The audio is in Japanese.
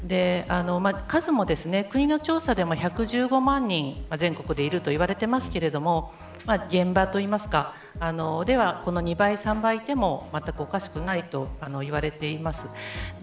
数も国の調査でも１１５万人全国でいると言われていますけれども現場ではこの２倍、３倍いてもまったくおかしくないといわれています。